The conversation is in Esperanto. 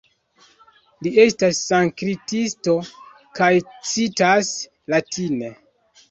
Li estas sanskritisto kaj citas latine.